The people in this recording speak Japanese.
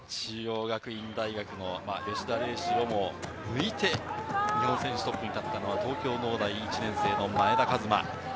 中央学院大学の吉田礼志をも抜いて日本選手トップに至ったのは東京農大１年生の前田和摩。